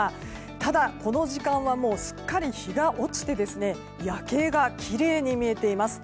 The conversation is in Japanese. ただ、この時間はもうすっかり日が落ちて夜景がきれいに見えています。